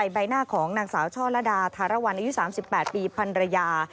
ใบหน้าของนางสาวช่อระดาธารวรรณอายุ๓๘ปีพันรยา